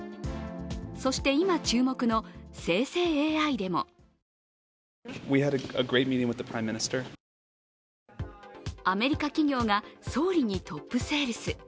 そして今、注目の生成ＡＩでもアメリカ企業が総理にトップセールス。